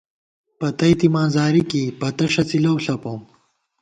پتئی تِماں زاری کېئی ، پتہ ݭڅی لَؤ ݪپوم